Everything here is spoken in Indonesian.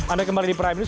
anda kembali di prime news